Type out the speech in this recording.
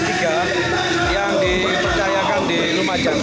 yang dipercayakan di lumajang